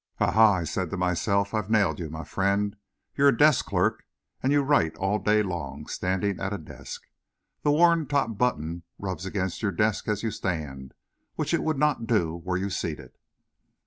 "A ha!" said I to myself, "I've nailed you, my friend. You're a desk clerk, and you write all day long, standing at a desk. The worn top button rubs against your desk as you stand, which it would not do were you seated."